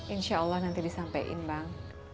insya allah nanti disampaikan bang